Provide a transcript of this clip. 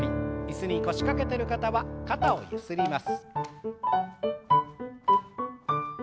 椅子に腰掛けてる方は肩をゆすります。